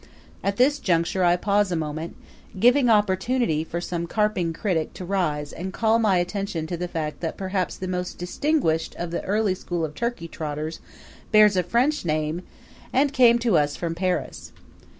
At this juncture I pause a moment, giving opportunity for some carping critic to rise and call my attention to the fact that perhaps the most distinguished of the early school of turkey trotters bears a French name and came to us from Paris.